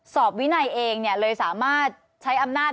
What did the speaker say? สอบวินัยเองเลยสามารถใช้อำนาจ